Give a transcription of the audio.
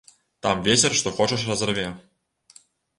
Там вецер што хочаш разарве.